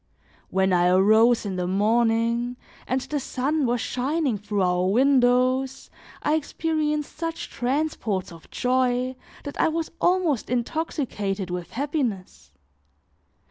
When I arose in the morning, and the sun was shining through our windows, I experienced such transports of joy that I was almost intoxicated with happiness.